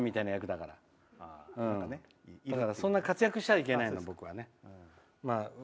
だから、そんな活躍したらいけないの。